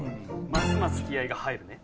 ますます気合が入るね。